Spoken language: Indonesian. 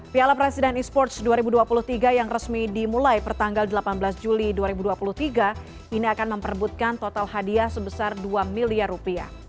piala presiden esports dua ribu dua puluh tiga yang resmi dimulai pertanggal delapan belas juli dua ribu dua puluh tiga ini akan memperebutkan total hadiah sebesar dua miliar rupiah